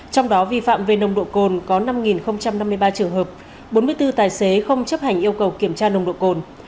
trong đó vi phạm về nồng độ cồn có năm năm mươi ba trường hợp bốn mươi bốn tài xế không chấp hành yêu cầu kiểm tra nồng độ cồn